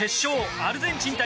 アルゼンチン対